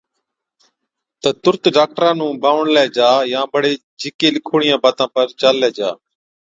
تہ تُرت ڊاڪٽرا نُون بانوڻلَي جا يان بڙي جھِڪي لِکوڙِيان باتان پر چاللَي جا۔